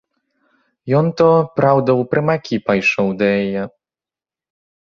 Ён то, праўда, у прымакі пайшоў да яе.